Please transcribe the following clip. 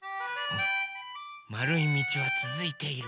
まるいみちはつづいている。